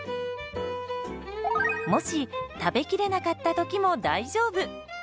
もし食べきれなかった時も大丈夫。